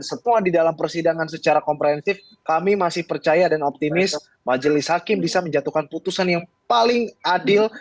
setelah di dalam persidangan secara komprehensif kami masih percaya dan optimis majelis hakim bisa menjatuhkan putusan yang paling adil